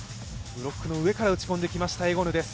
ブロックの上から打ち込んできましたエゴヌです。